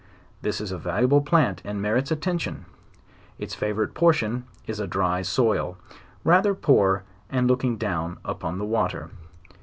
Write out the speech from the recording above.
This is a valuable plant and merits attention: its favorite portion is a dry soil, rather poor, and looking down upon the water.